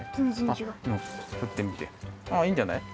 あっいいんじゃない。